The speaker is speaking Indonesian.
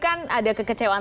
kan ada kekecewaan